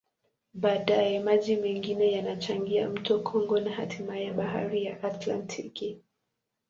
Baadaye, maji mengine yanachangia mto Kongo na hatimaye Bahari ya Atlantiki.